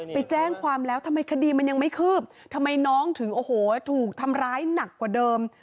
ไปแจ้งความแล้วทำไมคดีมันยังไม่คืบทำไมน้องถึงโอ้โหถูกทำร้ายหนักกว่าเดิม